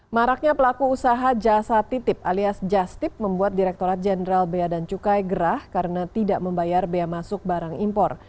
maraknya pelaku usaha jasa titip alias jastip membuat direkturat jenderal bea dan cukai gerah karena tidak membayar bea masuk barang impor